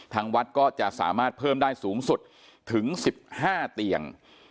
ทางวัดก็จะสามารถเพิ่มได้สูงสุดถึง๑๕เตียง